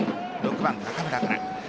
６番・中村から。